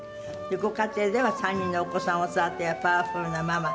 ご家庭では３人のお子さんを育てるパワフルなママ。